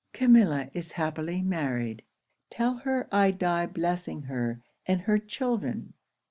Camilla is happily married. Tell her I die blessing her, and her children!